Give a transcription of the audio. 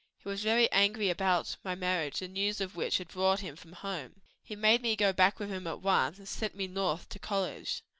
He was very angry about my marriage, the news of which had brought him from home. He made me go back with him at once and sent me North to college.